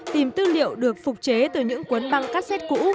tìm tư liệu được phục chế từ những cuốn băng cassette cũ